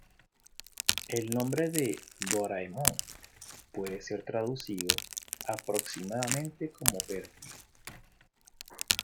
El nombre de "Doraemon" puede ser traducido aproximadamente como "perdido".